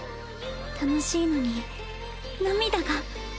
楽しいのに涙が。